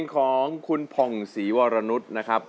ของคุณผ่องศรีวรนุษย์นะครับ